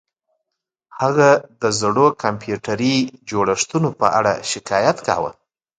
هغه د زړو کمپیوټري جوړښتونو په اړه شکایت کاوه